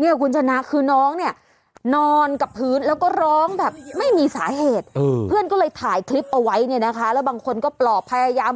เนี่ยคุณชนะคือน้องเนี่ยนอนกับพื้นแล้วก็ร้องแบบไม่มีสาเหตุเพื่อนก็เลยถ่ายคลิปเอาไว้เนี่ยนะคะแล้วบางคนก็ปลอบพยายาม